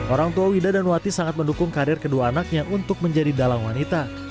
orang tua wida dan wati sangat mendukung karir kedua anaknya untuk menjadi dalang wanita